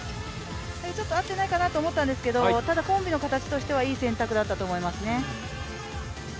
ちょっと合ってないかなと思ったんですけど、ただコンビの形としてはいい選択だったと思いますね。